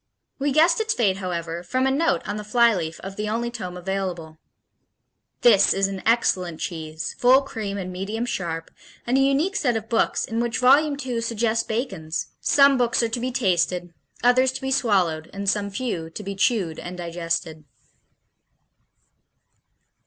We guessed its fate, however, from a note on the flyleaf of the only tome available: "This is an excellent cheese, full cream and medium sharp, and a unique set of books in which Volume II suggests Bacon's: 'Some books are to be tasted, others to be swallowed, and some few to be chewed and digested.'"